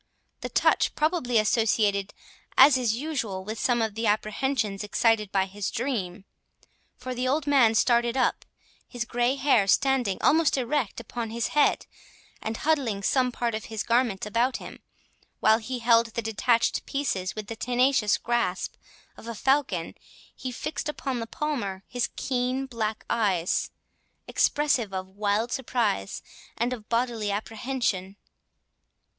The touch probably associated, as is usual, with some of the apprehensions excited by his dream; for the old man started up, his grey hair standing almost erect upon his head, and huddling some part of his garments about him, while he held the detached pieces with the tenacious grasp of a falcon, he fixed upon the Palmer his keen black eyes, expressive of wild surprise and of bodily apprehension.